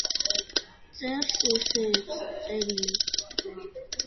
წერს ესეებს, წერილებს.